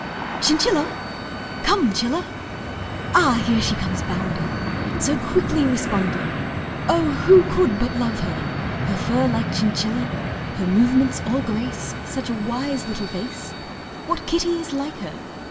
Chinchilla? Come, 'Chilla! Ah, here she comes bounding, So quickly responding, Oh, who could but love her! Her fur like chinchilla Her movements all grace Such a wise little face What kitty is like her?